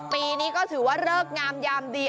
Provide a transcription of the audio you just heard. ปีนี้ก็ถือว่าเลิกงามยามดี